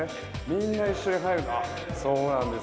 みんな一緒に入るんだ。